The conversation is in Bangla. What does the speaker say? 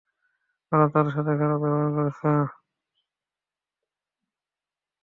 ওরা তার সাথে খারাপ ব্যবহার করছে।